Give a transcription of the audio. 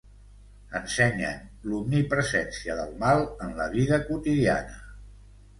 Ensenyen l'omnipresència del mal en la vida quotidiana.